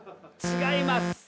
違います。